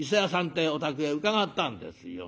ってえお宅へ伺ったんですよ。